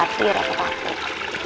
jadi kami gak usah khawatir